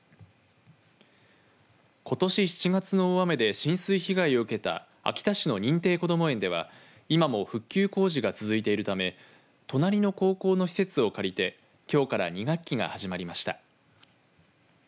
ことし７月の大雨で浸水被害を受けた秋田市の認定こども園では今も復旧工事が続いているため隣の高校の施設を借りてきょうから２学期が始まりました。